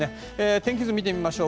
天気図を見てみましょう。